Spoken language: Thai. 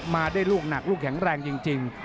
มาได้ลูกหนักลูกแข็งแรงจริง